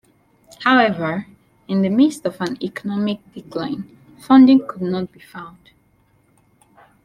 However, in the midst of an economic decline, funding could not be found.